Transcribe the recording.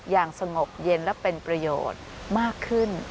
อย่างสงบเย็นและเป็นประโยชน์มากขึ้น